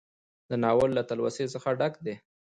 دا ناول له تلوسې څخه ډک دى